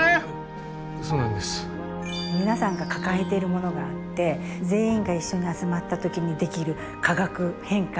皆さんが抱えているものがあって全員が一緒に集まった時にできる化学変化